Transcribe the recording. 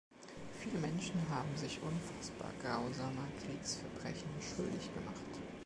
Viele Menschen haben sich unfassbar grausamer Kriegsverbrechen schuldig gemacht.